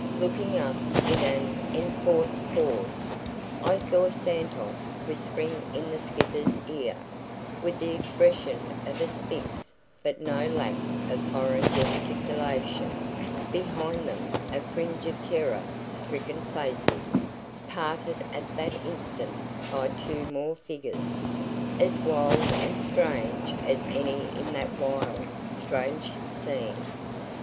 Looking up in an enforced pause, I saw Santos whispering in the skipper's ear, with the expression of a sphinx but no lack of foreign gesticulation behind them a fringe of terror stricken faces, parted at that instant by two more figures, as wild and strange as any in that wild, strange scene.